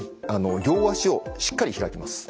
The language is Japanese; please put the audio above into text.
両足をしっかり開きます。